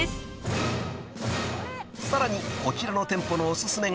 ［さらにこちらの店舗のおすすめが］